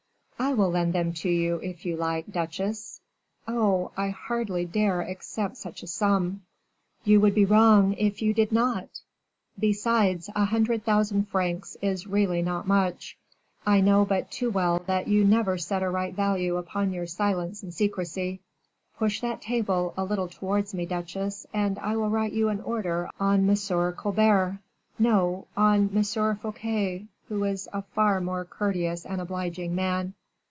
"I will lend them to you, if you like, duchesse." "Oh, I hardly dare accept such a sum." "You would be wrong if you did not. Besides, a hundred thousand francs is really not much. I know but too well that you never set a right value upon your silence and secrecy. Push that table a little towards me, duchesse, and I will write you an order on M. Colbert; no, on M. Fouquet, who is a far more courteous and obliging man."